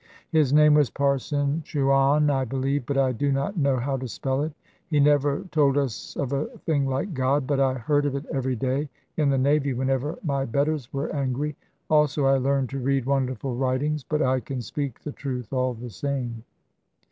"His name was Parson Chouane, I believe, but I do not know how to spell it. He never told us of a thing like God; but I heard of it every day in the navy whenever my betters were angry. Also I learned to read wonderful writings; but I can speak the truth all the same.